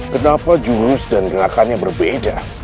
kenapa jurus dan gerakannya berbeda